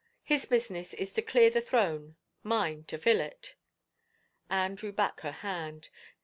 His business is to clear the throne — mine to fill it." Anne drew back her hand.